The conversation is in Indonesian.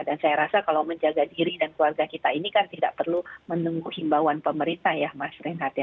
dan saya rasa kalau menjaga diri dan keluarga kita ini kan tidak perlu menunggu himbauan pemerintah ya mas renhardt